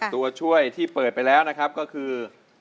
ตัวช่วยที่เปิดไปแล้วนะครับก็คือ